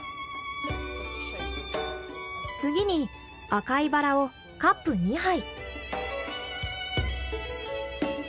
次に赤いバラをカップ２杯。